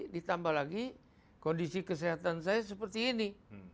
ditambah lagi kondisi kesehatan saya seperti ini